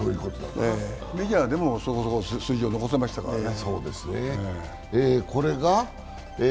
メジャーでもそこそこ数字を残せましたからね。